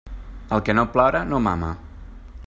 El que no plora, no mama.